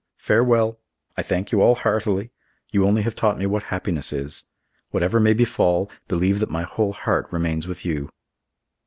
Farewell! I thank you all heartily. You only have taught me what happiness is. Whatever may befall, believe that my whole heart remains with you."